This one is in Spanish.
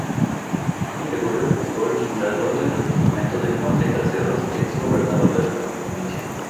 Juan Gregorio Pujol, fundador del departamento de Monte Caseros, ex-gobernador de la Provincia.